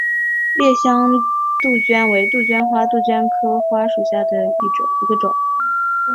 烈香杜鹃为杜鹃花科杜鹃花属下的一个种。